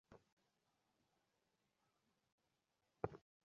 তাদের মতে, রোগী এখন মৃত্যু যন্ত্রণা ভোগ করছে।